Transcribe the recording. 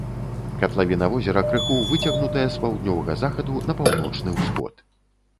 Катлавіна возера крыху выцягнутая з паўднёвага захаду на паўночны ўсход.